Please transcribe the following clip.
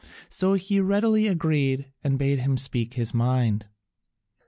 So he readily agreed and bade him speak his mind.